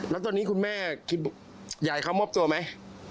แล้วตอนนี้คุณแม่คิดอยากให้เขามอบตัวไหม